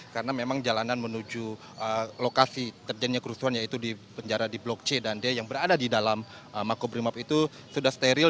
karena memang jalanan menuju lokasi terjadinya kerusuhan yaitu penjara di blok c dan d yang berada di dalam makobrimob itu sudah steril